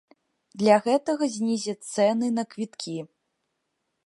Для гэтага знізяць цэны на квіткі.